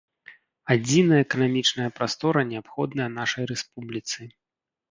Адзіная эканамічная прастора неабходная нашай рэспубліцы.